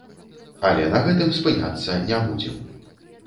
Але на гэтым спыняцца не будзем.